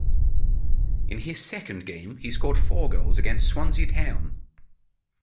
In his second game, he scored four goals against Swansea Town.